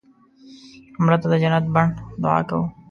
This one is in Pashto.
مړه ته د جنت بڼ دعا کوو